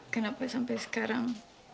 kenapa sampai sekarang